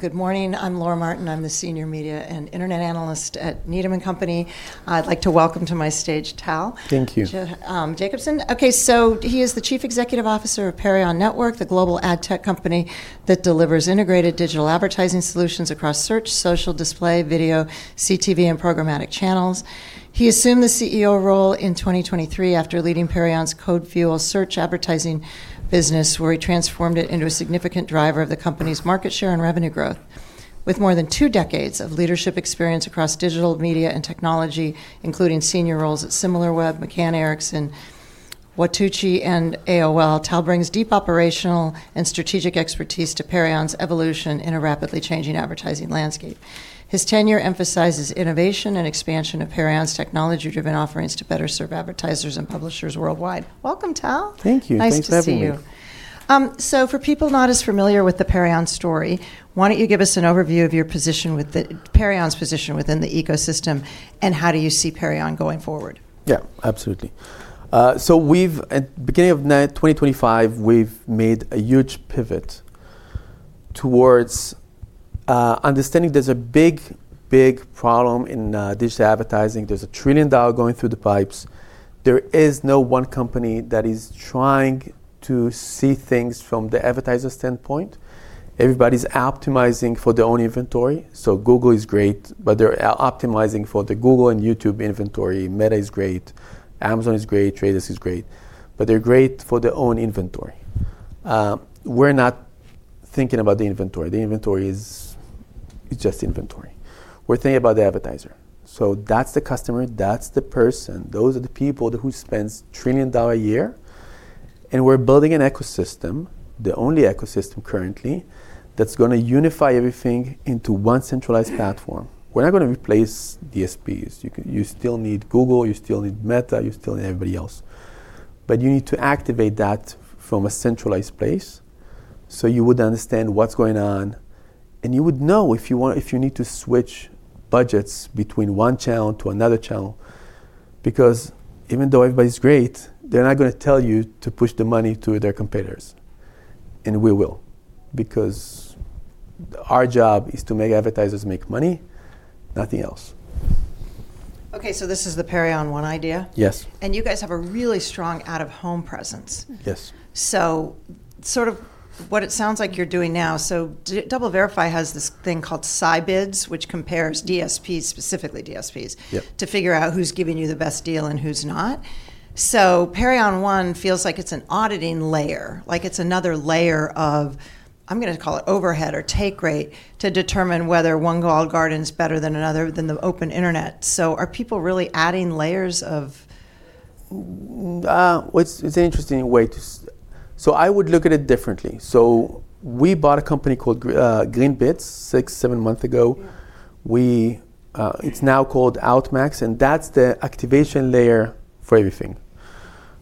Good morning. I'm Laura Martin. I'm the Senior Media and Internet Analyst at Needham & Company. I'd like to welcome to my stage Tal. Thank you. Jacobson. Okay, so he is the Chief Executive Officer of Perion Network, the global Ad Tech company that delivers integrated digital advertising solutions across search, social display, video, CTV, and programmatic channels. He assumed the CEO role in 2023 after leading Perion's CodeFuel search advertising business, where he transformed it into a significant driver of the company's market share and revenue growth. With more than two decades of leadership experience across digital media and technology, including senior roles at SimilarWeb, McCann Erickson, Watchitoo, and AOL, Tal brings deep operational and strategic expertise to Perion's evolution in a rapidly changing advertising landscape. His tenure emphasizes innovation and expansion of Perion's technology-driven offerings to better serve advertisers and publishers worldwide. Welcome, Tal. Thank you. Nice to see you. So for people not as familiar with the Perion story, why don't you give us an overview of your position with Perion's position within the ecosystem, and how do you see Perion going forward? Yeah, absolutely. So we've, at the beginning of 2025, we've made a huge pivot towards understanding there's a big, big problem in digital advertising. There's a $1 trillion going through the pipes. There is no one company that is trying to see things from the advertiser standpoint. Everybody's optimizing for their own inventory. So Google is great, but they're optimizing for the Google and YouTube inventory. Meta is great. Amazon is great. The Trade Desk is great. But they're great for their own inventory. We're not thinking about the inventory. The inventory is just inventory. We're thinking about the advertiser. So that's the customer. That's the person. Those are the people who spend $1 trillion a year. And we're building an ecosystem, the only ecosystem currently, that's going to unify everything into one centralized platform. We're not going to replace DSPs. You still need Google. You still need Meta. You still need everybody else. But you need to activate that from a centralized place so you would understand what's going on. And you would know if you need to switch budgets between one channel to another channel. Because even though everybody's great, they're not going to tell you to push the money to their competitors. And we will. Because our job is to make advertisers make money, nothing else. Okay, so this is the Perion One idea? Yes. You guys have a really strong out-of-home presence. Yes. So sort of what it sounds like you're doing now, so DoubleVerify has this thing called Scibids, which compares DSPs, specifically DSPs, to figure out who's giving you the best deal and who's not. So Perion One feels like it's an auditing layer, like it's another layer of, I'm going to call it overhead or take rate, to determine whether one walled garden is better than another than the open internet. So are people really adding layers of? It's an interesting way to. So I would look at it differently. So we bought a company called Greenbids six, seven months ago. It's now called Outmax. And that's the activation layer for everything.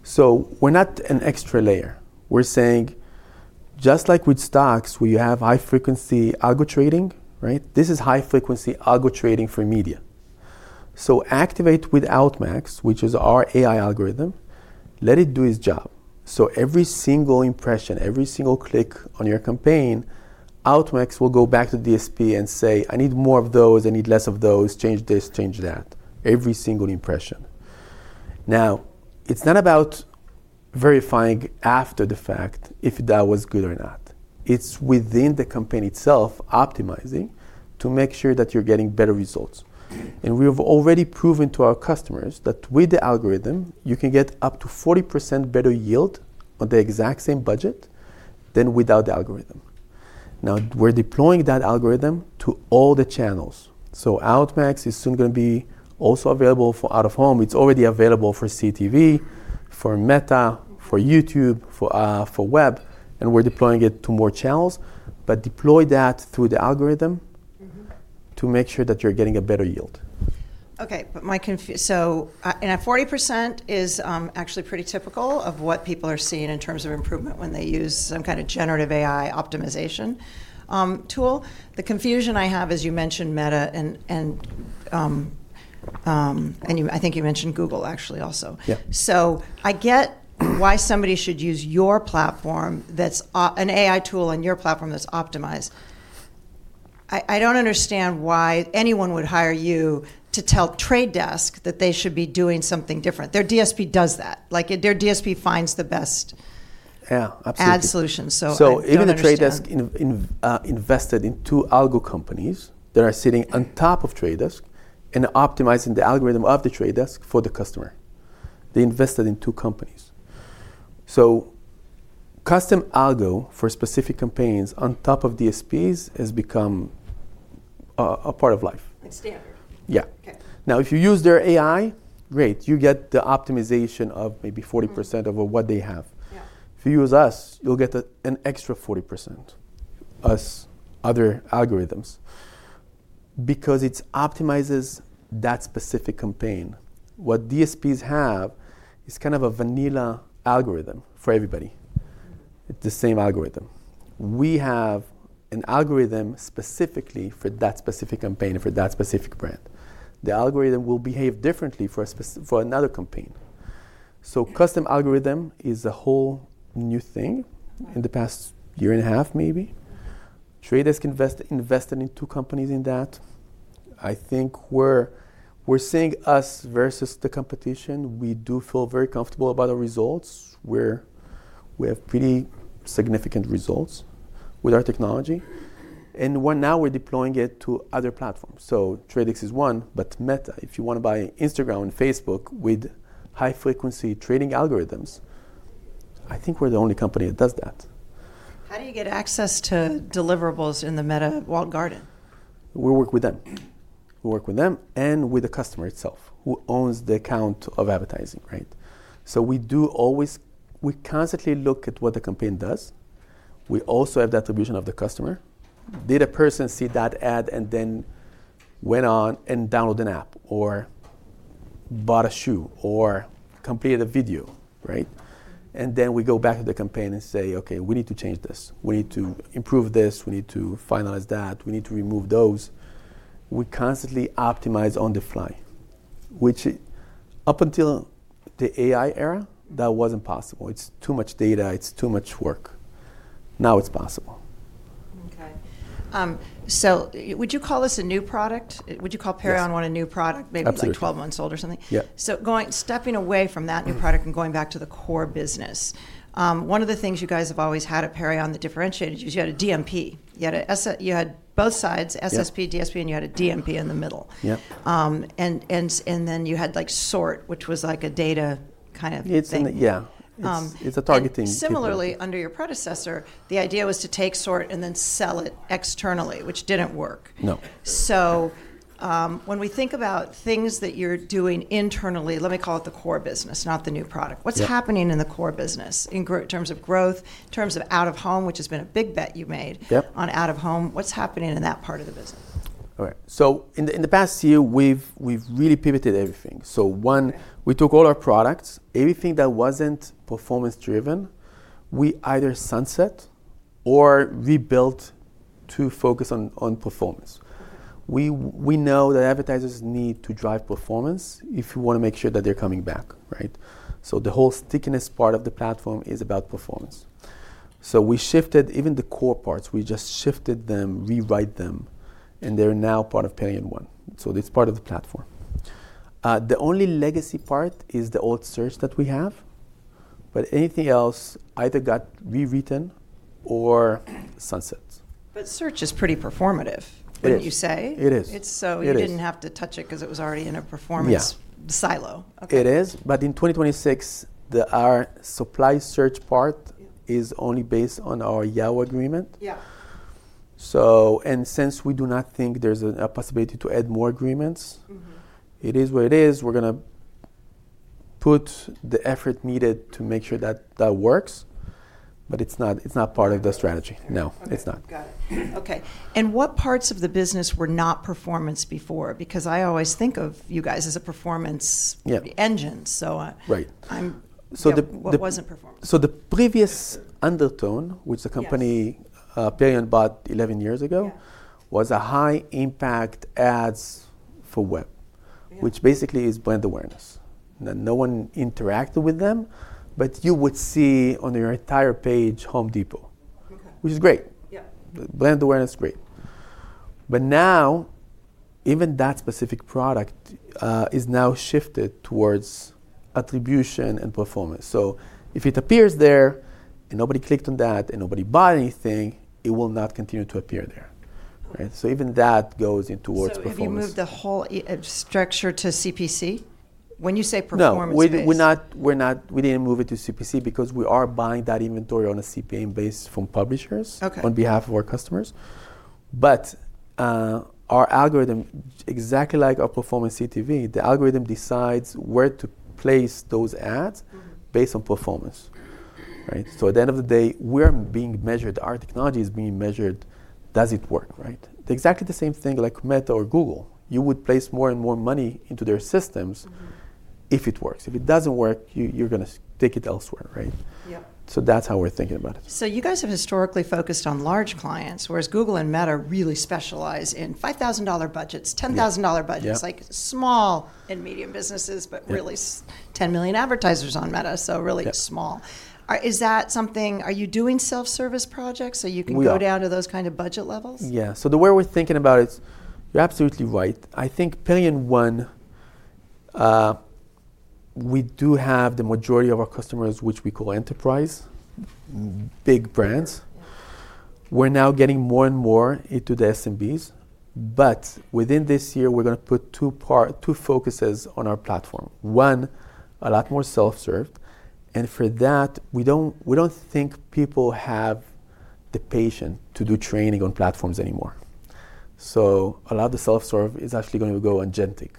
So we're not an extra layer. We're saying, just like with stocks, where you have high-frequency algo trading, right? This is high-frequency algo trading for media. So activate with Outmax, which is our AI algorithm. Let it do its job. So every single impression, every single click on your campaign, Outmax will go back to DSP and say, I need more of those. I need less of those. Change this. Change that. Every single impression. Now, it's not about verifying after the fact if that was good or not. It's within the campaign itself optimizing to make sure that you're getting better results. We have already proven to our customers that with the algorithm, you can get up to 40% better yield on the exact same budget than without the algorithm. Now, we're deploying that algorithm to all the channels. Outmax is soon going to be also available for out-of-home. It's already available for CTV, for Meta, for YouTube, for web. We're deploying it to more channels. Deploy that through the algorithm to make sure that you're getting a better yield. Okay, but my confusion, so 40% is actually pretty typical of what people are seeing in terms of improvement when they use some kind of generative AI optimization tool. The confusion I have, as you mentioned, Meta and I think you mentioned Google, actually, also. So I get why somebody should use your platform that's an AI tool on your platform that's optimized. I don't understand why anyone would hire you to tell Trade Desk that they should be doing something different. Their DSP does that. Their DSP finds the best. Yeah, absolutely. Ad solutions. Even The Trade Desk invested in two algo companies that are sitting on top of Trade Desk and optimizing the algorithm of The Trade Desk for the customer. They invested in two companies. Custom algo for specific campaigns on top of DSPs has become a part of life. It's standard. Yeah. Now, if you use their AI, great. You get the optimization of maybe 40% of what they have. If you use us, you'll get an extra 40%. Us, other algorithms. Because it optimizes that specific campaign. What DSPs have is kind of a vanilla algorithm for everybody. It's the same algorithm. We have an algorithm specifically for that specific campaign, for that specific brand. The algorithm will behave differently for another campaign. So custom algorithm is a whole new thing in the past year and a half, maybe. Trade Desk invested in two companies in that. I think we're seeing us versus the competition. We do feel very comfortable about our results. We have pretty significant results with our technology. And now we're deploying it to other platforms. So Trade Desk is one. Meta, if you want to buy Instagram and Facebook with high-frequency trading algorithms, I think we're the only company that does that. How do you get access to deliverables in the Meta walled garden? We work with them. We work with them and with the customer itself, who owns the account of advertising, right? So we do always, we constantly look at what the campaign does. We also have the attribution of the customer. Did a person see that ad and then went on and downloaded an app or bought a shoe or completed a video, right? And then we go back to the campaign and say, okay, we need to change this. We need to improve this. We need to finalize that. We need to remove those. We constantly optimize on the fly, which up until the AI era, that wasn't possible. It's too much data. It's too much work. Now it's possible. Okay. So, would you call this a new product? Would you call Perion One a new product, maybe like 12 months old or something? Yeah. So, stepping away from that new product and going back to the core business, one of the things you guys have always had at Perion that differentiated you is you had a DMP. You had both sides, SSP, DSP, and you had a DMP in the middle. And then you had SORT, which was like a data kind of thing. Yeah. It's a targeting. Similarly, under your predecessor, the idea was to take SORT and then sell it externally, which didn't work. No. So when we think about things that you're doing internally, let me call it the core business, not the new product. What's happening in the core business in terms of growth, in terms of out-of-home, which has been a big bet you made on out-of-home? What's happening in that part of the business? All right. So in the past year, we've really pivoted everything. So one, we took all our products. Everything that wasn't performance-driven, we either sunset or rebuilt to focus on performance. We know that advertisers need to drive performance if you want to make sure that they're coming back, right? So the whole stickiness part of the platform is about performance. So we shifted even the core parts. We just shifted them, rewrite them, and they're now part of Perion One. So it's part of the platform. The only legacy part is the old search that we have. But anything else either got rewritten or sunset. But search is pretty performative, wouldn't you say? It is. So you didn't have to touch it because it was already in a performance silo. It is. But in 2026, our supply search part is only based on our Yahoo agreement. And since we do not think there's a possibility to add more agreements, it is what it is. We're going to put the effort needed to make sure that that works. But it's not part of the strategy. No, it's not. Got it. Okay. And what parts of the business were not performance before? Because I always think of you guys as a performance engine. So what wasn't performance? The previous Undertone, which the company Perion bought 11 years ago, was a high-impact ads for web, which basically is brand awareness. No one interacted with them. But you would see on your entire page Home Depot, which is great. Brand awareness, great. But now, even that specific product is now shifted towards attribution and performance. So if it appears there and nobody clicked on that and nobody bought anything, it will not continue to appear there. So even that goes in towards performance. So you moved the whole structure to CPC? When you say performance-driven. No, we didn't move it to CPC because we are buying that inventory on a CPM basis from publishers on behalf of our customers. But our algorithm, exactly like our Performance CTV, the algorithm decides where to place those ads based on performance. So at the end of the day, we're being measured. Our technology is being measured, does it work? Exactly the same thing like Meta or Google. You would place more and more money into their systems if it works. If it doesn't work, you're going to take it elsewhere. So that's how we're thinking about it. So you guys have historically focused on large clients, whereas Google and Meta really specialize in $5,000 budgets, $10,000 budgets, like small and medium businesses, but really 10 million advertisers on Meta, so really small. Is that something? Are you doing self-service projects so you can go down to those kind of budget levels? Yeah. So the way we're thinking about it, you're absolutely right. I think Perion One, we do have the majority of our customers, which we call enterprise, big brands. We're now getting more and more into the SMBs. But within this year, we're going to put two focuses on our platform. One, a lot more self-served. And for that, we don't think people have the patience to do training on platforms anymore. So a lot of the self-serve is actually going to go on agentic.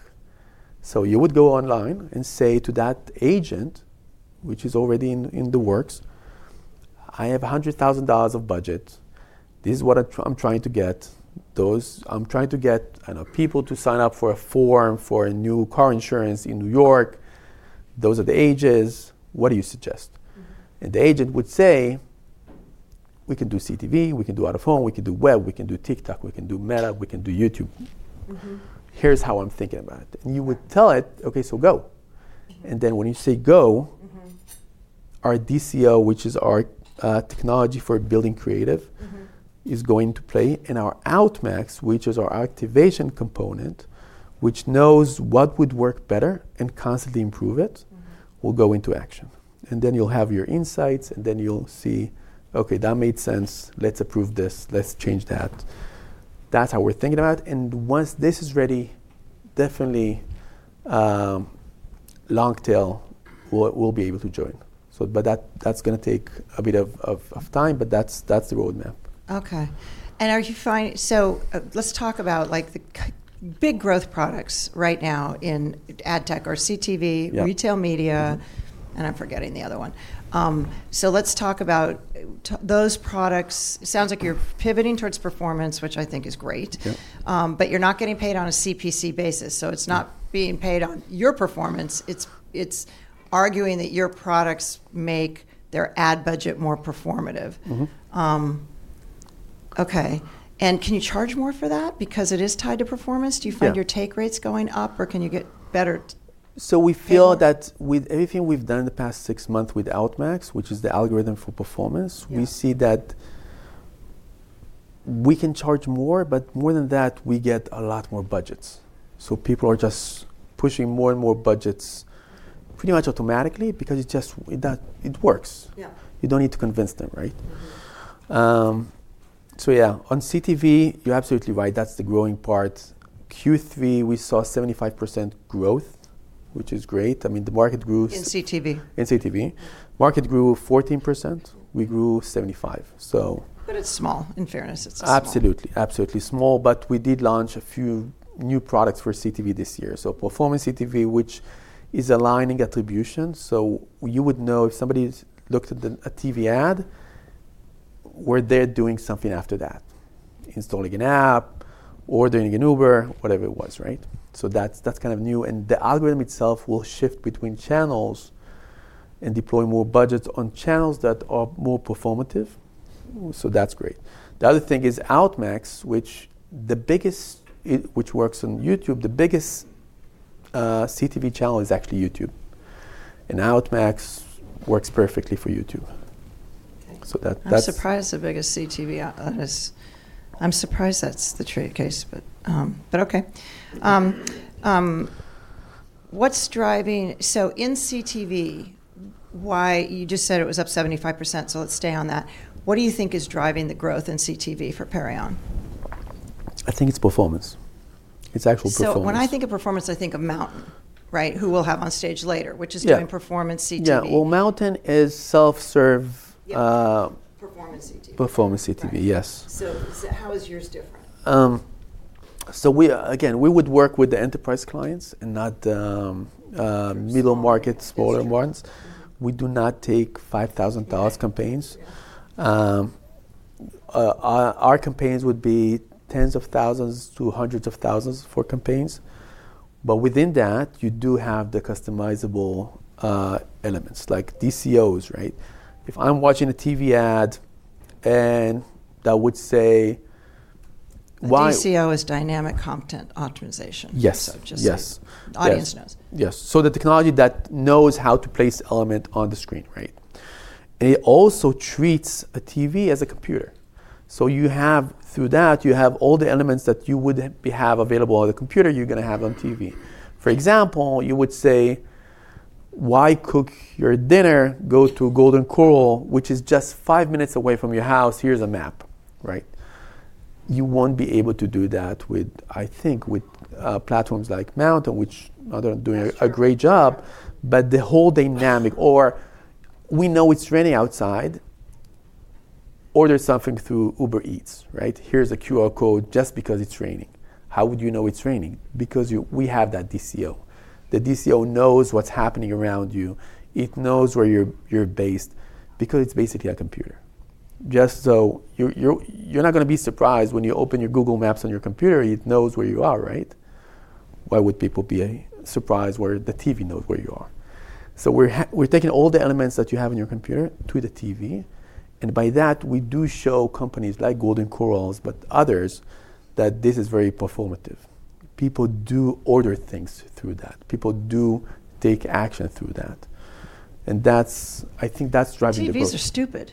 So you would go online and say to that agent, which is already in the works, I have $100,000 of budget. This is what I'm trying to get. I'm trying to get people to sign up for a form for a new car insurance in New York. Those are the ages. What do you suggest? And the agent would say, we can do CTV. We can do out-of-home. We can do web. We can do TikTok. We can do Meta. We can do YouTube. Here's how I'm thinking about it. And you would tell it, okay, so go. And then when you say go, our DCO, which is our technology for building creative, is going to play. And our Outmax, which is our activation component, which knows what would work better and constantly improve it, will go into action. And then you'll have your insights. And then you'll see, okay, that made sense. Let's approve this. Let's change that. That's how we're thinking about it. And once this is ready, definitely Longtail will be able to join. But that's going to take a bit of time. But that's the roadmap. Okay. And are you finding? So let's talk about the big growth products right now in Ad Tech or CTV, retail media. And I'm forgetting the other one. So let's talk about those products. It sounds like you're pivoting towards performance, which I think is great. But you're not getting paid on a CPC basis. So it's not being paid on your performance. It's arguing that your products make their ad budget more performative. Okay. And can you charge more for that because it is tied to performance? Do you find your take rates going up? Or can you get better? We feel that with everything we've done in the past six months with Outmax, which is the algorithm for performance, we see that we can charge more. But more than that, we get a lot more budgets. So people are just pushing more and more budgets pretty much automatically because it works. You don't need to convince them, right? So yeah, on CTV, you're absolutely right. That's the growing part. Q3, we saw 75% growth, which is great. I mean, the market grew. In CTV. In CTV. Market grew 14%. We grew 75%. But it's small, in fairness. It's small. Absolutely, absolutely small. But we did launch a few new products for CTV this year. So Performance CTV, which is aligning attribution. So you would know if somebody looked at a TV ad, where they're doing something after that, installing an app, ordering an Uber, whatever it was, right? So that's kind of new. And the algorithm itself will shift between channels and deploy more budgets on channels that are more performative. So that's great. The other thing is Outmax, which works on YouTube. The biggest CTV channel is actually YouTube. And Outmax works perfectly for YouTube. I'm surprised the biggest CTV. I'm surprised that's the [trade case]. But okay. So in CTV, why you just said it was up 75%, so let's stay on that. What do you think is driving the growth in CTV for Perion? I think it's performance. It's actual performance. When I think of performance, I think of MNTN, right, who we'll have on stage later, which is doing Performance CTV. Yeah. Well, MNTN is self-serve. Performance CTV. Performance CTV, yes. So how is yours different? So again, we would work with the enterprise clients and not middle market smaller ones. We do not take $5,000 campaigns. Our campaigns would be tens of thousands to hundreds of thousands for campaigns. But within that, you do have the customizable elements like DCOs, right? If I'm watching a TV ad and that would say why. DCO is dynamic creative optimization. Yes. So, just audience knows. Yes. So the technology that knows how to place elements on the screen, right? And it also treats a TV as a computer. So through that, you have all the elements that you would have available on the computer, you're going to have on TV. For example, you would say, why cook your dinner? Go to Golden Corral, which is just five minutes away from your house. Here's a map, right? You won't be able to do that, I think, with platforms like MNTN, which are doing a great job. But the whole dynamic, or we know it's raining outside, order something through Uber Eats, right? Here's a QR code just because it's raining. How would you know it's raining? Because we have that DCO. The DCO knows what's happening around you. It knows where you're based because it's basically a computer. Just so you're not going to be surprised when you open your Google Maps on your computer, it knows where you are, right? Why would people be surprised where the TV knows where you are? So we're taking all the elements that you have in your computer to the TV. And by that, we do show companies like Golden Corral, but others, that this is very performative. People do order things through that. People do take action through that. And I think that's driving the growth. TVs are stupid.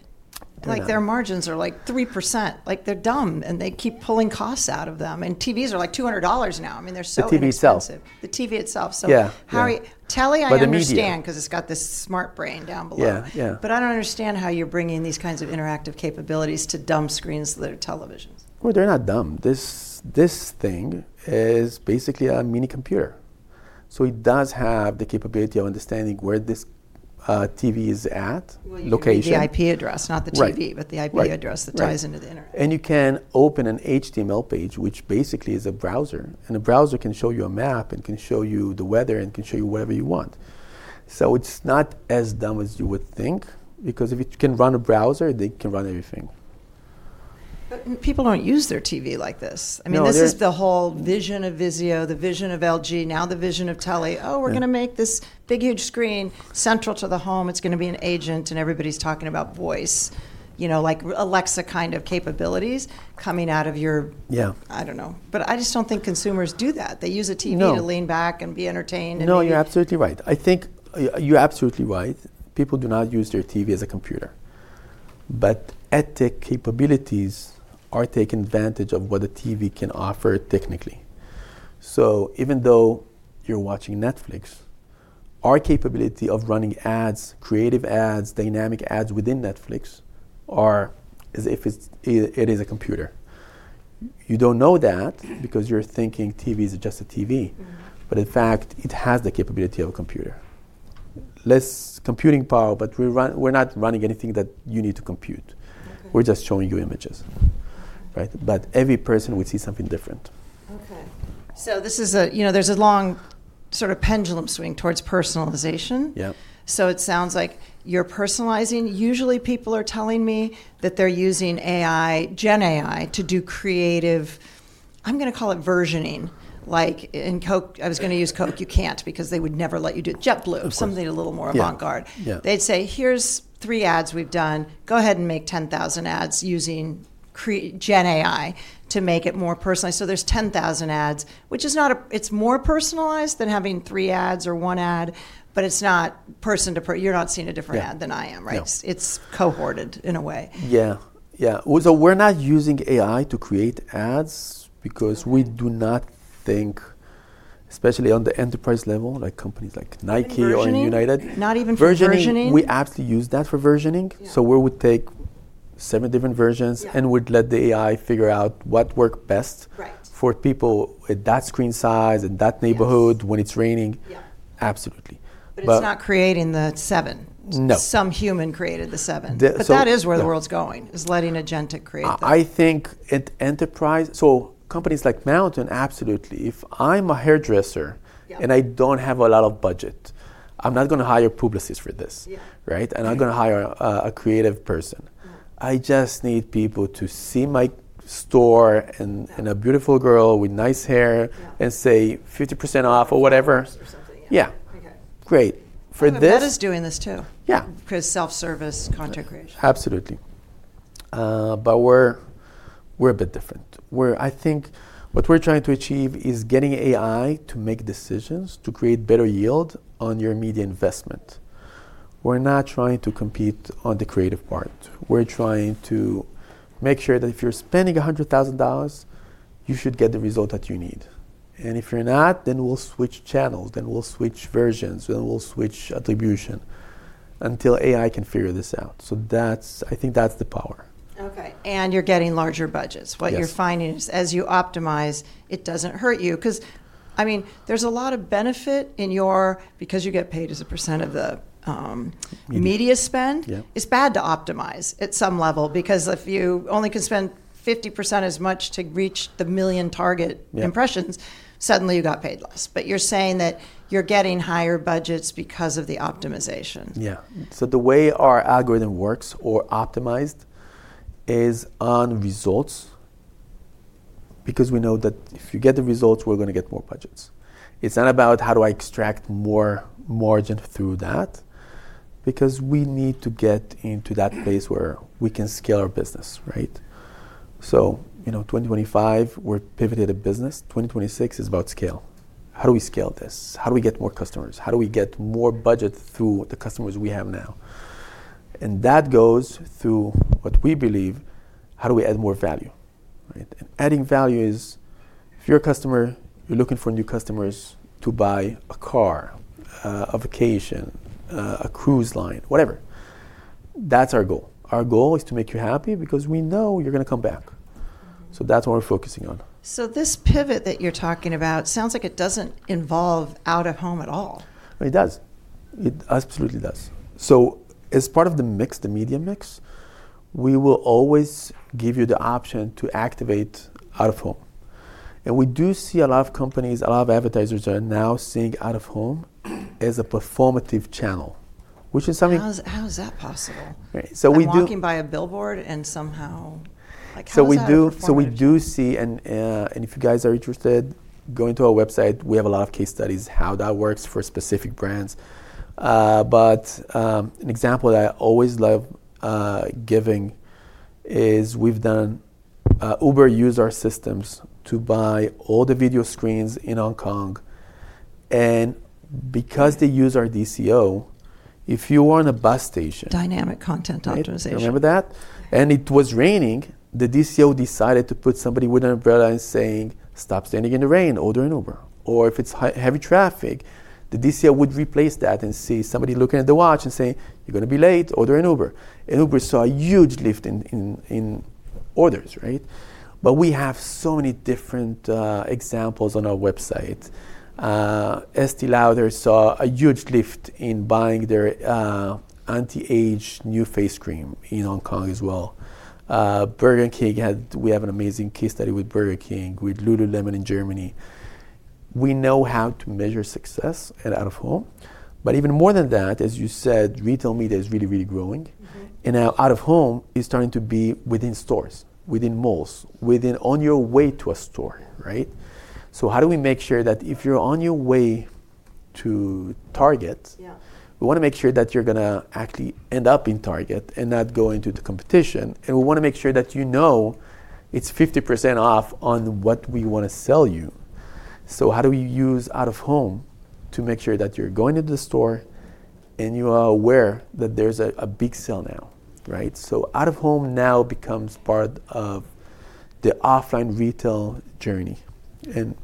Their margins are like 3%. They're dumb, and they keep pulling costs out of them, and TVs are like $200 now. I mean, they're so expensive. The TV itself. The TV itself. So how are you, Telly? I understand because it's got this smart brain down below. But I don't understand how you're bringing these kinds of interactive capabilities to dumb screens that are televisions. They're not dumb. This thing is basically a mini computer. It does have the capability of understanding where this TV is at, location. You need the IP address, not the TV, but the IP address that ties into the internet. You can open an HTML page, which basically is a browser. A browser can show you a map and can show you the weather and can show you whatever you want. It's not as dumb as you would think because if it can run a browser, it can run everything. But people don't use their TV like this. I mean, this is the whole vision of Vizio, the vision of LG, now the vision of Telly. Oh, we're going to make this big huge screen central to the home. It's going to be an agent. And everybody's talking about voice, like Alexa kind of capabilities coming out of your, I don't know. But I just don't think consumers do that. They use a TV to lean back and be entertained. No, you're absolutely right. I think you're absolutely right. People do not use their TV as a computer. But Ad Tech capabilities are taking advantage of what the TV can offer technically. So even though you're watching Netflix, our capability of running ads, creative ads, dynamic ads within Netflix is as if it is a computer. You don't know that because you're thinking TV is just a TV. But in fact, it has the capability of a computer. Less computing power, but we're not running anything that you need to compute. We're just showing you images. But every person would see something different. Okay. So there's a long sort of pendulum swing towards personalization. So it sounds like you're personalizing. Usually, people are telling me that they're using AI, GenAI, to do creative, I'm going to call it versioning. I was going to use Coke. You can't because they would never let you do it. JetBlue, something a little more avant-garde. They'd say, here's three ads we've done. Go ahead and make 10,000 ads using GenAI to make it more personalized. So there's 10,000 ads, which is not a, it's more personalized than having three ads or one ad. But it's not person to person. You're not seeing a different ad than I am, right? It's cohorted in a way. So we're not using AI to create ads because we do not think, especially on the enterprise level, like companies like Nike or United. Versioning. Not even for versioning. We actually use that for versioning. So we would take seven different versions and would let the AI figure out what worked best for people at that screen size and that neighborhood when it's raining. Absolutely. But it's not creating the seven. Some human created the seven. So that is where the world's going, is letting a GenAI create that. I think at enterprise, so companies like MNTN, absolutely. If I'm a hairdresser and I don't have a lot of budget, I'm not going to hire publicists for this, right? And I'm not going to hire a creative person. I just need people to see my store and a beautiful girl with nice hair and say 50% off or whatever. Or something. Yeah. Okay. Great. For this. MNTN is doing this too because self-service content creation. Absolutely. But we're a bit different. I think what we're trying to achieve is getting AI to make decisions to create better yield on your media investment. We're not trying to compete on the creative part. We're trying to make sure that if you're spending $100,000, you should get the result that you need. And if you're not, then we'll switch channels. Then we'll switch versions. Then we'll switch attribution until AI can figure this out. So I think that's the power. Okay, and you're getting larger budgets. What you're finding is as you optimize, it doesn't hurt you because, I mean, there's a lot of benefit in your, because you get paid as a percent of the media spend. It's bad to optimize at some level because if you only can spend 50% as much to reach the million target impressions, suddenly you got paid less. But you're saying that you're getting higher budgets because of the optimization. Yeah. So the way our algorithm works or optimized is on results because we know that if you get the results, we're going to get more budgets. It's not about how do I extract more margin through that because we need to get into that place where we can scale our business, right? So 2025, we're pivoted a business. 2026 is about scale. How do we scale this? How do we get more customers? How do we get more budget through the customers we have now? And that goes through what we believe, how do we add more value, right? And adding value is if you're a customer, you're looking for new customers to buy a car, a vacation, a cruise line, whatever. That's our goal. Our goal is to make you happy because we know you're going to come back. So that's what we're focusing on. So this pivot that you're talking about sounds like it doesn't involve out-of-home at all. It does. It absolutely does. So as part of the mix, the media mix, we will always give you the option to activate out of home. And we do see a lot of companies, a lot of advertisers are now seeing out of home as a performance channel, which is something. How is that possible? You're walking by a billboard and somehow. We do see, and if you guys are interested, go into our website. We have a lot of case studies how that works for specific brands. But an example that I always love giving is we've done Uber used our systems to buy all the video screens in Hong Kong. And because they use our DCO, if you were on a bus station. Dynamic creative optimization. Remember that? And it was raining. The DCO decided to put somebody with an umbrella and saying, stop standing in the rain, order an Uber. Or if it's heavy traffic, the DCO would replace that and see somebody looking at the watch and say, you're going to be late, order an Uber. And Uber saw a huge lift in orders, right? But we have so many different examples on our website. Estée Lauder saw a huge lift in buying their anti-aging new face cream in Hong Kong as well. Burger King, we have an amazing case study with Burger King, with lululemon in Germany. We know how to measure success at out of home. But even more than that, as you said, retail media is really, really growing. And now out of home is starting to be within stores, within malls, within, on your way to a store, right? So how do we make sure that if you're on your way to Target, we want to make sure that you're going to actually end up in Target and not go into the competition. And we want to make sure that you know it's 50% off on what we want to sell you. So how do we use out of home to make sure that you're going into the store and you are aware that there's a big sale now, right? So out of home now becomes part of the offline retail journey. And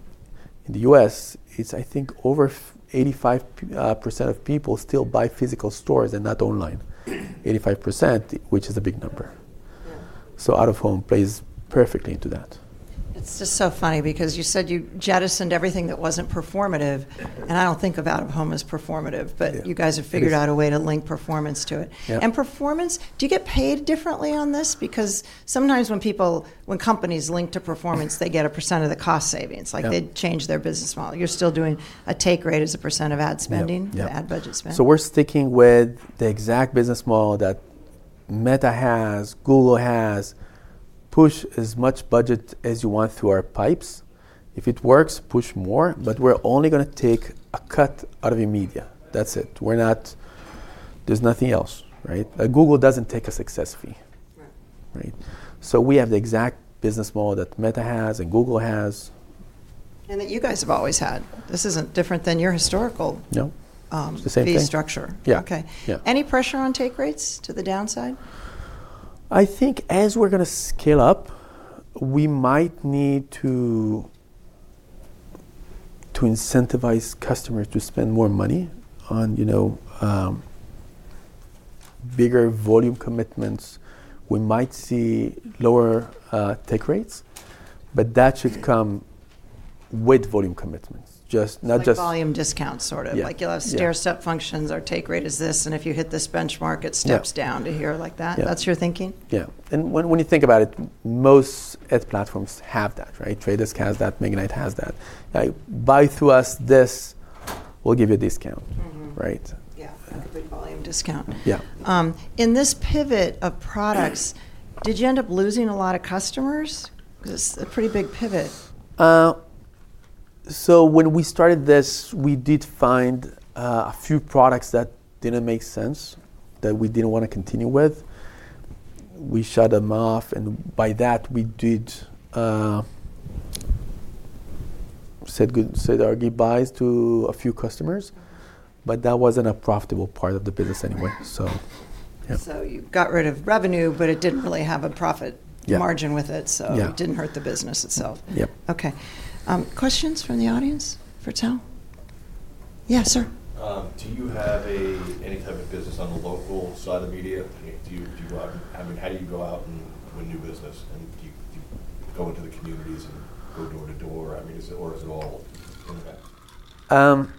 in the U.S., it's, I think, over 85% of people still buy physical stores and not online. 85%, which is a big number. So out of home plays perfectly into that. It's just so funny because you said you jettisoned everything that wasn't performative. And I don't think of out of home as performative. But you guys have figured out a way to link performance to it. And performance, do you get paid differently on this? Because sometimes when companies link to performance, they get a percent of the cost savings. They change their business model. You're still doing a take rate as a percent of ad spending, ad budget spending. We're sticking with the exact business model that Meta has, Google has. Push as much budget as you want through our pipes. If it works, push more. But we're only going to take a cut out of your media. That's it. There's nothing else, right? Google doesn't take a success fee, right? We have the exact business model that Meta has and Google has. That you guys have always had. This isn't different than your historical fee structure. No. It's the same thing. Okay. Any pressure on take rates to the downside? I think as we're going to scale up, we might need to incentivize customers to spend more money on bigger volume commitments. We might see lower take rates. But that should come with volume commitments, not just. Volume discounts, sort of. Like you'll have stair-step functions or take rate is this. And if you hit this benchmark, it steps down to here like that. That's your thinking? Yeah. And when you think about it, most ad platforms have that, right? Traders has that. Magnite has that. Buy through us this. We'll give you a discount, right? Yeah. A good volume discount. In this pivot of products, did you end up losing a lot of customers? Because it's a pretty big pivot. So when we started this, we did find a few products that didn't make sense that we didn't want to continue with. We shut them off. And by that, we did say our goodbyes to a few customers. But that wasn't a profitable part of the business anyway, so. So you got rid of revenue, but it didn't really have a profit margin with it. So it didn't hurt the business itself. Yeah. Okay. Questions from the audience for Tal? Yeah, sir. Do you have any type of business on the local side of media? I mean, how do you go out and win new business? And do you go into the communities and go door to door? I mean, or is it all internet?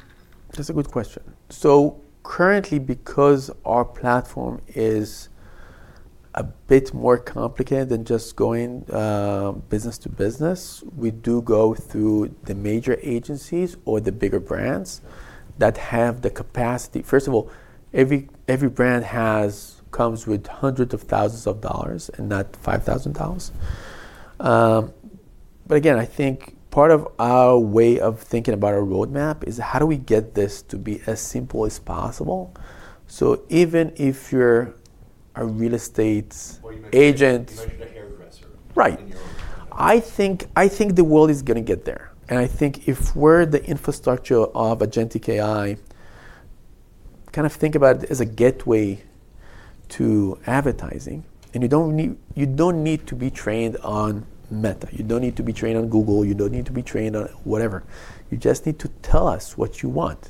That's a good question. So currently, because our platform is a bit more complicated than just going business to business, we do go through the major agencies or the bigger brands that have the capacity. First of all, every brand comes with hundreds of thousands of dollars and not $5,000. But again, I think part of our way of thinking about our roadmap is how do we get this to be as simple as possible? So even if you're a real estate agent. Or you mentioned a hairdresser. Right. I think the world is going to get there, and I think if we're the infrastructure of a agentic AI, kind of think about it as a gateway to advertising, and you don't need to be trained on Meta. You don't need to be trained on Google. You don't need to be trained on whatever. You just need to tell us what you want.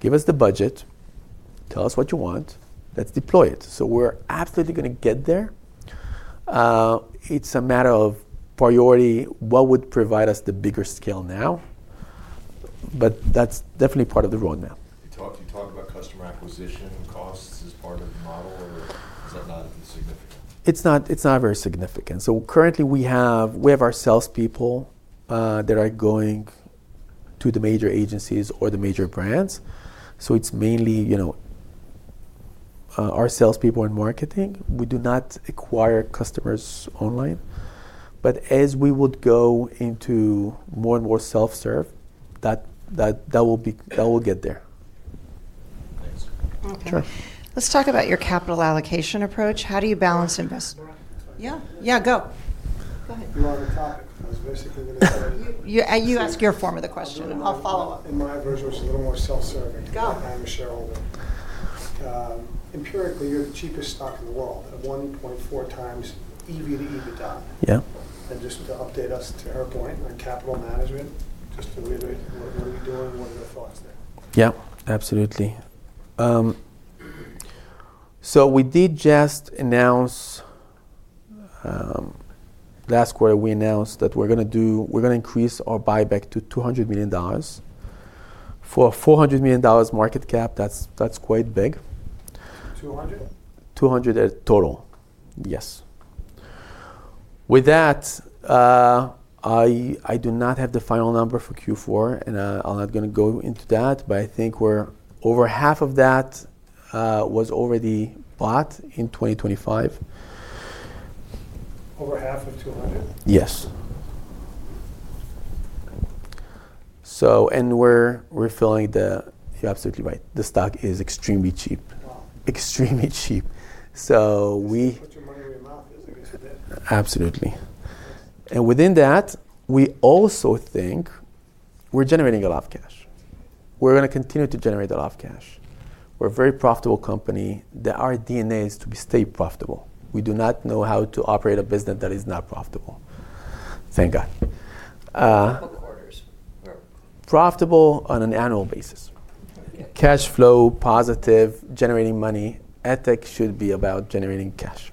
Give us the budget. Tell us what you want. Let's deploy it, so we're absolutely going to get there. It's a matter of priority what would provide us the bigger scale now, but that's definitely part of the roadmap. Do you talk about customer acquisition costs as part of the model? Or is that not significant? It's not very significant. So currently, we have our salespeople that are going to the major agencies or the major brands. So it's mainly our salespeople and marketing. We do not acquire customers online. But as we would go into more and more self-serve, that will get there. Thanks. Sure. Let's talk about your capital allocation approach. How do you balance? Yeah. Yeah. Go. Go ahead. You're on the topic. I was basically going to. You ask your form of the question. I'll follow up. In my version, which is a little more self-serving. Go. I'm a shareholder. Empirically, you're the cheapest stock in the world at 1.4x EV to EBITDA. And just to update us to her point on capital management, just to reiterate, what are we doing? What are your thoughts there? Yeah. Absolutely. So we did just announce last quarter. We announced that we're going to increase our buyback to $200 million. For a $400 million market cap, that's quite big. $200 million? $200 million total. Yes. With that, I do not have the final number for Q4, and I'm not going to go into that, but I think over half of that was already bought in 2025. Over half of $200 million? Yes. And we're filling the, you're absolutely right, the stock is extremely cheap. Extremely cheap. So we. You put your money where your mouth is, I guess you did. Absolutely. And within that, we also think we're generating a lot of cash. We're going to continue to generate a lot of cash. We're a very profitable company. Our DNA is to stay profitable. We do not know how to operate a business that is not profitable. Thank God. How about quarters? Profitable on an annual basis. Cash flow positive, generating money. Ad Tech should be about generating cash.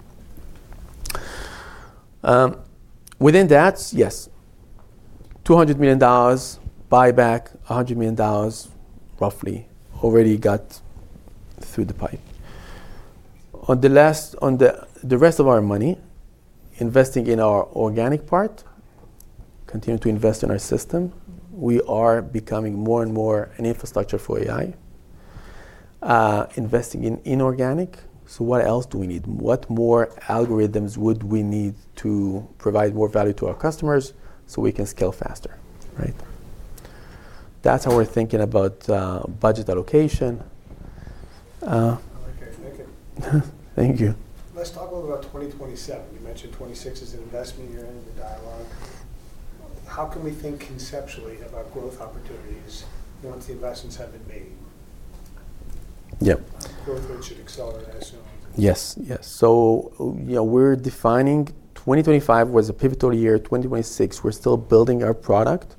Within that, yes. $200 million buyback, $100 million roughly already got through the pipe. On the rest of our money, investing in our organic part, continue to invest in our system. We are becoming more and more an infrastructure for AI. Investing in inorganic. So what else do we need? What more algorithms would we need to provide more value to our customers so we can scale faster, right? That's how we're thinking about budget allocation. Okay. Thank you. Thank you. Let's talk a little bit about 2027. You mentioned 2026 is an investment year in the dialogue. How can we think conceptually about growth opportunities once the investments have been made? Yeah. Growth rates should accelerate as you know. Yes. Yes, so we're defining 2025 was a pivotal year. 2026, we're still building our product.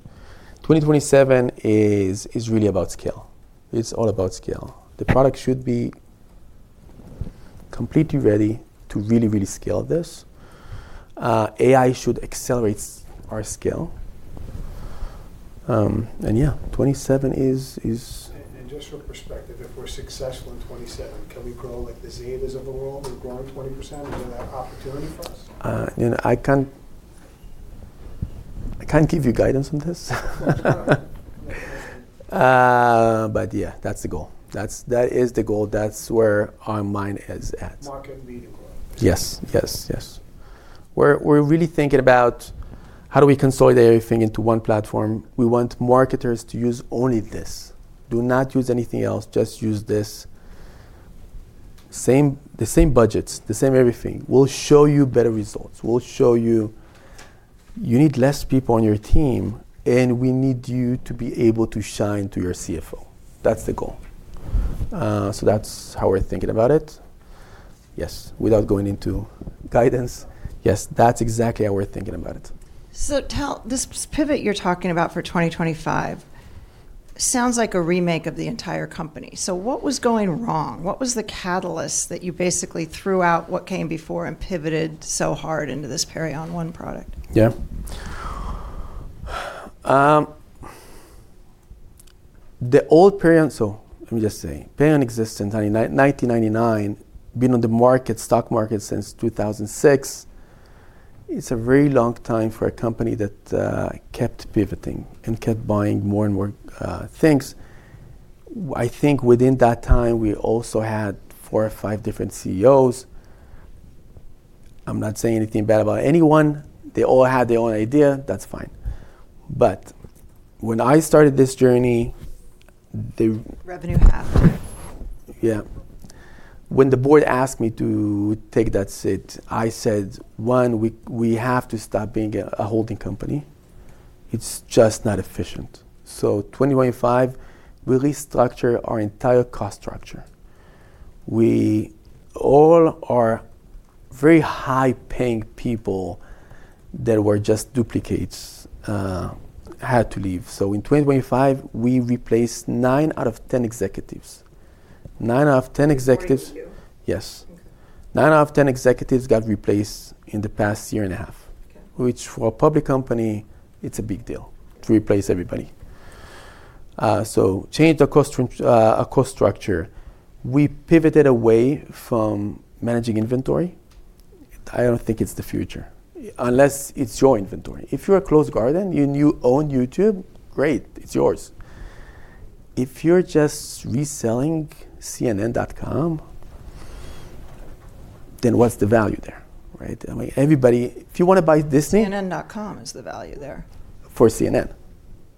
2027 is really about scale. It's all about scale. The product should be completely ready to really, really scale this. AI should accelerate our scale, and yeah, 2027 is. Just for perspective, if we're successful in 2027, can we grow like the Zeta's of the world? We're growing 20%. Is there that opportunity for us? I can't give you guidance on this. But yeah, that's the goal. That is the goal. That's where our mind is at. Market and media growth. Yes. Yes. Yes. We're really thinking about how do we consolidate everything into one platform. We want marketers to use only this. Do not use anything else. Just use this. The same budgets, the same everything. We'll show you better results. We'll show you you need less people on your team, and we need you to be able to shine to your CFO. That's the goal. So that's how we're thinking about it. Yes. Without going into guidance. Yes. That's exactly how we're thinking about it. So Tal, this pivot you're talking about for 2025 sounds like a remake of the entire company. So what was going wrong? What was the catalyst that you basically threw out what came before and pivoted so hard into this Perion One product? Yeah. The old Perion, so let me just say, Perion existed in 1999, been on the market, stock market since 2006. It's a very long time for a company that kept pivoting and kept buying more and more things. I think within that time, we also had four or five different CEOs. I'm not saying anything bad about anyone. They all had their own idea. That's fine. But when I started this journey, they. Revenue half. Yeah. When the board asked me to take that seat, I said, one, we have to stop being a holding company. It's just not efficient. So 2025, we restructured our entire cost structure. All our very high-paying people that were just duplicates had to leave. So in 2025, we replaced nine out of 10 Executives. Nine out of 10 Executives. Nine of you? Yes. Nine out of 10 Executives got replaced in the past year and a half, which for a public company, it's a big deal to replace everybody. So change the cost structure. We pivoted away from managing inventory. I don't think it's the future unless it's your inventory. If you're a walled garden, you own YouTube, great. It's yours. If you're just reselling CNN.com, then what's the value there, right? If you want to buy Disney. CNN.com is the value there. For CNN.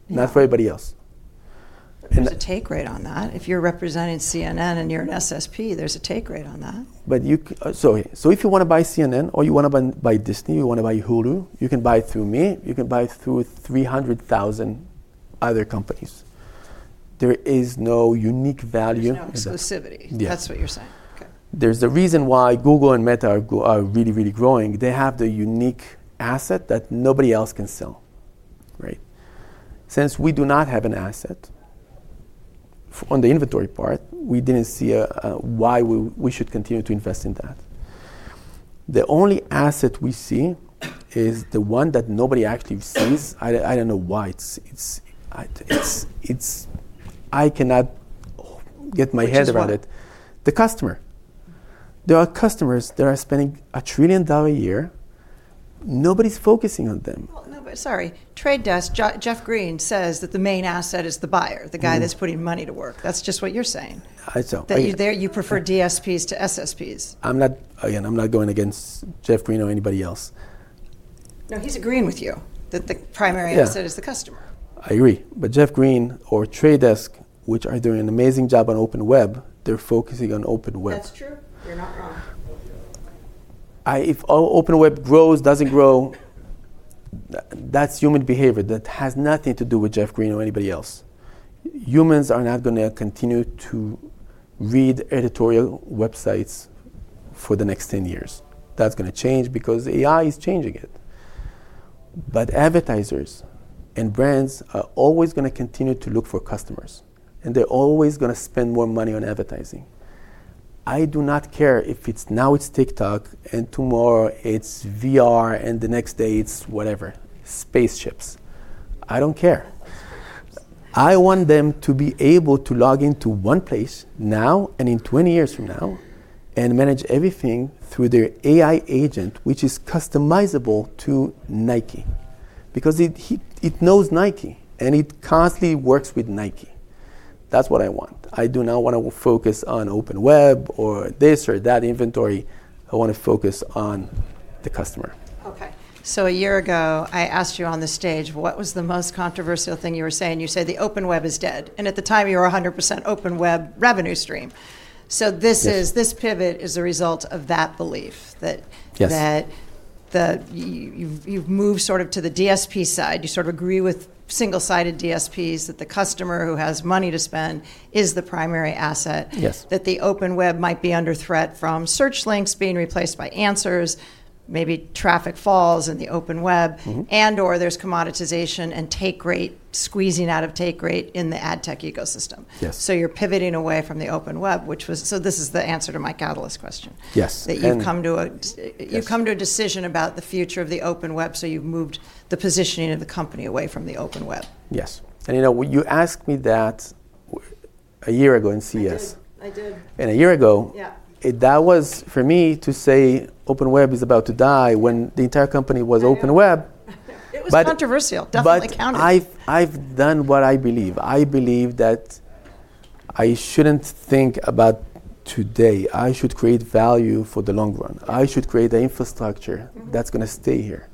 Not for anybody else. There's a take rate on that. If you're representing CNN and you're an SSP, there's a take rate on that. So, if you want to buy CNN or you want to buy Disney, you want to buy Hulu, you can buy through me. You can buy through 300,000 other companies. There is no unique value. There's no exclusivity. That's what you're saying. Okay. There's a reason why Google and Meta are really, really growing. They have the unique asset that nobody else can sell, right? Since we do not have an asset on the inventory part, we didn't see why we should continue to invest in that. The only asset we see is the one that nobody actually sees. I don't know why. I cannot get my head around it. The customer. There are customers that are spending $1 trillion a year. Nobody's focusing on them. Sorry. Trade Desk, Jeff Green says that the main asset is the buyer, the guy that's putting money to work. That's just what you're saying. I don't. But you prefer DSPs to SSPs. Again, I'm not going against Jeff or anybody else. No, he's agreeing with you that the primary asset is the customer. I agree, but Jeff Green of Trade Desk, which are doing an amazing job on Open Web, they're focusing on Open Web. That's true. You're not wrong. If Open Web grows, doesn't grow, that's human behavior. That has nothing to do with Jeff Green or anybody else. Humans are not going to continue to read editorial websites for the next 10 years. That's going to change because AI is changing it. But advertisers and brands are always going to continue to look for customers. And they're always going to spend more money on advertising. I do not care if now it's TikTok and tomorrow it's VR and the next day it's whatever, spaceships. I don't care. I want them to be able to log into one place now and in 20 years from now and manage everything through their AI agent, which is customizable to Nike. Because it knows Nike and it constantly works with Nike. That's what I want. I do not want to focus on Open Web or this or that inventory. I want to focus on the customer. Okay, so a year ago, I asked you on the stage what was the most controversial thing you were saying. You said, "The Open Web is dead." And at the time, you were 100% Open Web revenue stream, so this pivot is a result of that belief that you've moved sort of to the DSP side. You sort of agree with single-sided DSPs that the customer who has money to spend is the primary asset, that the Open Web might be under threat from search links being replaced by answers, maybe traffic falls in the Open Web, and/or there's commoditization and take rate squeezing out of take rate in the Ad Tech ecosystem, so you're pivoting away from the Open Web, which was, so this is the answer to my catalyst question. Yes. That you've come to a decision about the future of the Open Web, so you've moved the positioning of the company away from the Open Web. Yes, and you know you asked me that a year ago in CES. I did. A year ago, that was for me to say Open Web is about to die when the entire company was Open Web. It was controversial. Definitely counterparty. But I've done what I believe. I believe that I shouldn't think about today. I should create value for the long run. I should create the infrastructure that's going to stay here.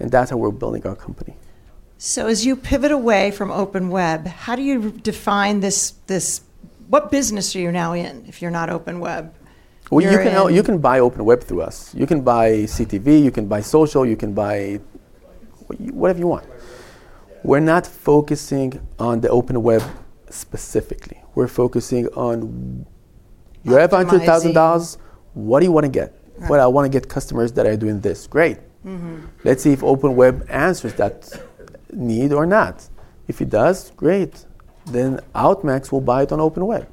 And that's how we're building our company. So as you pivot away from Open Web, how do you define this? What business are you now in if you're not Open Web? You can buy Open Web through us. You can buy CTV. You can buy social. You can buy whatever you want. We're not focusing on the Open Web specifically. We're focusing on you have $100,000. What do you want to get? Well, I want to get customers that are doing this. Great. Let's see if Open Web answers that need or not. If it does, great. Then OutMax will buy it on Open Web.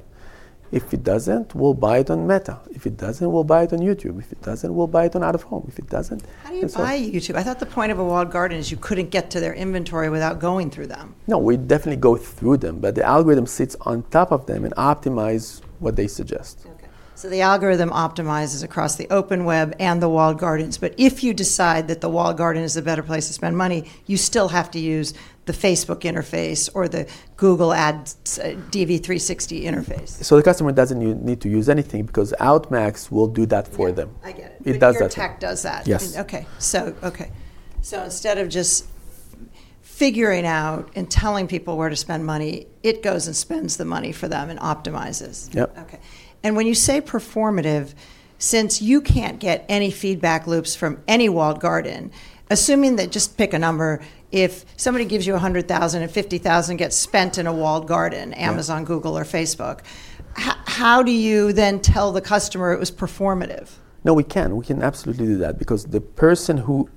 If it doesn't, we'll buy it on Meta. If it doesn't, we'll buy it on YouTube. If it doesn't, we'll buy it on out of home. If it doesn't. How do you buy YouTube? I thought the point of a walled garden is you couldn't get to their inventory without going through them. No, we definitely go through them. But the algorithm sits on top of them and optimizes what they suggest. The algorithm optimizes across the Open Web and the walled gardens. But if you decide that the walled garden is a better place to spend money, you still have to use the Facebook interface or the Google Ads DV360 interface. The customer doesn't need to use anything because Outmax will do that for them. I get it. [MediaTech] does that. Yes. Okay. So instead of just figuring out and telling people where to spend money, it goes and spends the money for them and optimizes. Yep. Okay. And when you say performance, since you can't get any feedback loops from any walled garden, assuming that just pick a number, if somebody gives you $100,000 and $50,000 gets spent in a walled garden, Amazon, Google, or Facebook, how do you then tell the customer it was performance? No, we can. We can absolutely do that. Because the person who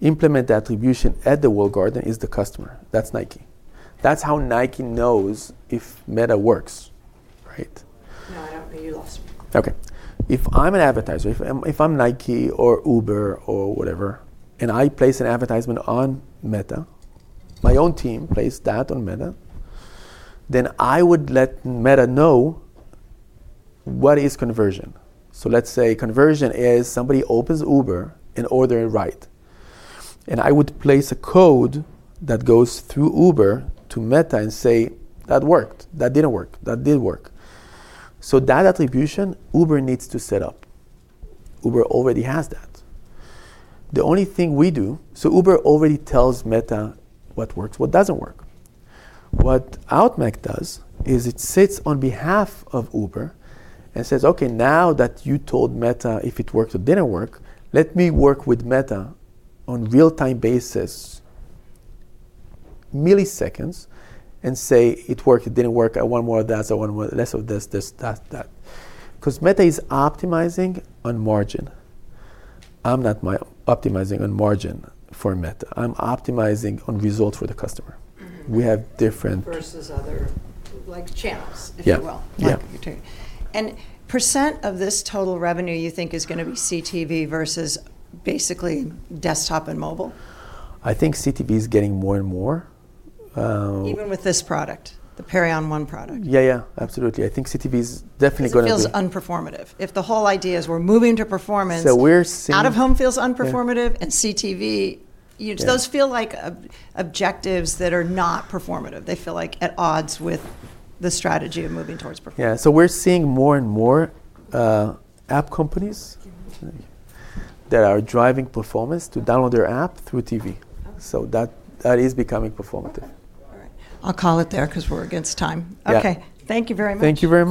implemented attribution at the walled garden is the customer. That's Nike. That's how Nike knows if Meta works, right? No, I don't know. You lost me. Okay. If I'm an advertiser, if I'm Nike or Uber or whatever, and I place an advertisement on Meta, my own team plays that on Meta, then I would let Meta know what is conversion. So let's say conversion is somebody opens Uber and order it right. And I would place a code that goes through Uber to Meta and say, "That worked. That didn't work. That did work." So that attribution, Uber needs to set up. Uber already has that. The only thing we do, so Uber already tells Meta what works, what doesn't work. What Outmax does is it sits on behalf of Uber and says, "Okay, now that you told Meta if it worked or didn't work, let me work with Meta on real-time basis, milliseconds, and say it worked, it didn't work. I want more of this. I want less of this, this, that, that," because Meta is optimizing on margin. I'm not optimizing on margin for Meta. I'm optimizing on results for the customer. We have different. Versus other channels, if you will. Yeah. And percent of this total revenue you think is going to be CTV versus basically desktop and mobile? I think CTV is getting more and more. Even with this product, the Perion One product. Yeah, yeah. Absolutely. I think CTV is definitely going to. It feels unperformative. If the whole idea is we're moving to performance. We're seeing. Out-of-home feels unperformative and CTV, those feel like objectives that are not performative. They feel like at odds with the strategy of moving towards performance. Yeah. So we're seeing more and more app companies that are driving performance to download their app through TV. So that is becoming performative. All right. I'll call it there because we're against time. Okay. Thank you very much. Thank you very much.